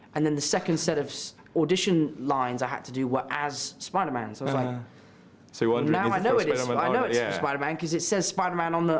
dan kemudian setelah itu line audisi yang saya harus lakukan adalah sebagai spider man